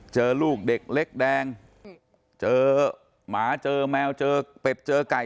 เจอลูกเด็กเล็กแดงเจอหมาเจอแมวเจอเป็ดเจอไก่